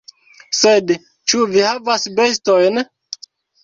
Sed, ĉu vi havas bestojn?